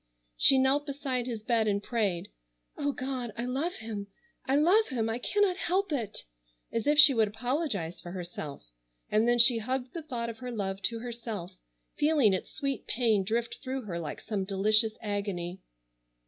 She knelt beside his bed and prayed: "Oh, God, I love him, I love him! I cannot help it!" as if she would apologize for herself, and then she hugged the thought of her love to herself, feeling its sweet pain drift through her like some delicious agony.